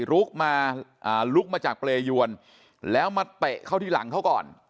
ลุกมาอะลุกมาจากปล่อยยวนแล้วมาตะเขาทีหลังเขาก่อน